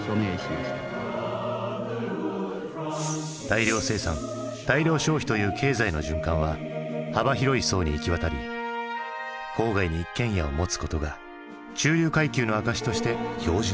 大量生産大量消費という経済の循環は幅広い層に行き渡り郊外に一軒家を持つことが中流階級の証しとして標準となる。